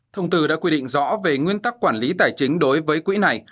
thông tư đã quy định rõ về nguyên tắc quản lý tài chính đối với quỹ này